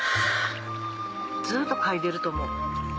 ずっと嗅いでると思う。